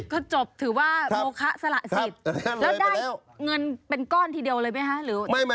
ก็จบถือว่าโมคะสละสิทธิ์แล้วได้เงินเป็นก้อนทีเดียวเลยไหมคะหรือ